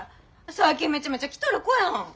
最近めちゃめちゃ来とる子やん！